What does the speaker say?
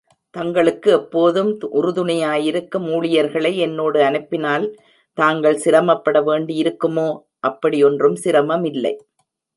தங்களுக்கு எப்போதும் உறுதுணையாயிருக்கும் ஊழியர்களை என்னோடு அனுப்பினால் தாங்கள் சிரமப்பட வேண்டியிருக்குமோ? அப்படி ஒன்றும் சிரமமில்லை!